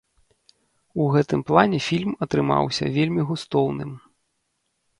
У гэтым плане фільм атрымаўся вельмі густоўным.